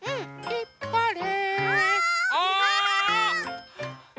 ひっぱれ。